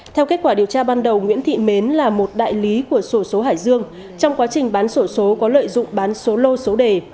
theo kết quả điều tra ban đầu nguyễn thị mến là một đại lý của sổ số hải dương trong quá trình bán sổ số có lợi dụng bán số lô số đề